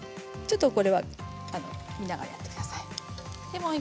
これは見ながらやってください。